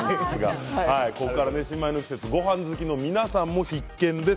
ここから新米の季節ごはん好きの皆さんも必見です。